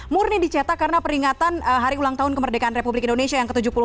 murni dicetak karena peringatan hari ulang tahun kemerdekaan republik indonesia yang ke tujuh puluh empat